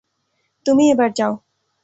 তুমি এবার যাও।